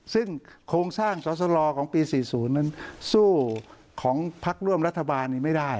ซึ่งโครงสร้างสรษโรของปีศสูทน์นั้นสู้ของภักร่วมรัฐบาลไม่ได้